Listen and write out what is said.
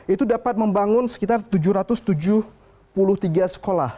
itu dapat membangun sekitar tujuh ratus tujuh puluh tiga sekolah